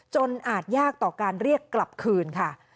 อาจยากต่อการเรียกกลับคืนค่ะ